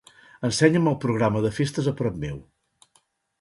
Ensenya'm el programa de festes a prop meu.